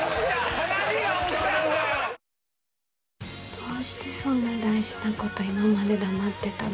どうしてそんな大事なこと今まで黙ってたの？